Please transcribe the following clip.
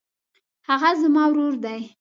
هغه زما ورور دی.